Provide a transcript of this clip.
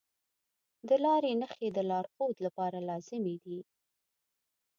د لارې نښې د لارښود لپاره لازمي دي.